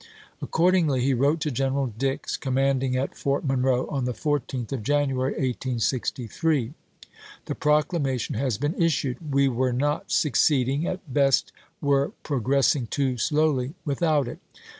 Accordingly, he wrote to General Dix, commanding at Fort Monroe, on the 14th of January, 1863: "The proclamation has been is sued. We were not succeeding — at best were pro gressing too slowly — without it.